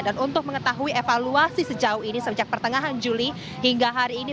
dan untuk mengetahui evaluasi sejauh ini sejak pertengahan juli hingga hari ini